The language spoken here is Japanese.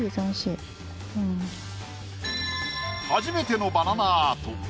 初めてのバナナアート。